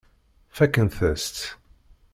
Fakkent-as-tt.